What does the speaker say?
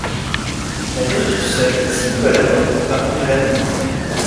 La vertu seule, si peu à la mode, va au-delà des temps.